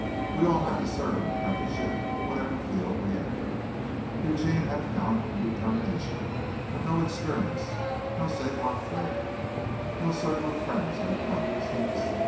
We all have to serve an apprenticeship, whatever field we enter. Eugene had talent and determination, but no experience, no savoir faire, no circle of friends and acquaintances.